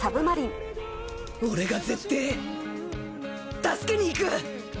俺がぜってぇ、助けに行く！